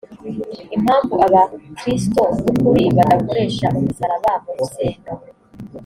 impamvu abakristo b’ukuri badakoresha umusaraba mu gusenga